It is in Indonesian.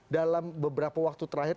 dalam beberapa waktu terakhir